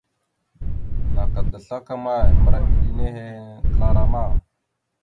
Naka da slakama, mbəra iɗe nehe kəla rama.